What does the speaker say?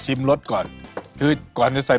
ชิมรสก่อนก่อนจะใส่ปลาดุค